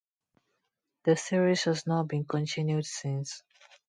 The series has not been continued since.